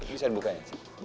bisa di bukanya sih